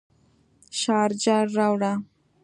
شارجر راوړه